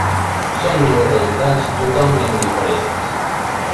Són dues realitats totalment diferents.